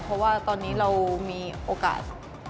เพราะว่าตอนนี้เรามีโอกาส